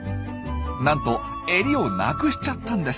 なんとエリを無くしちゃったんです。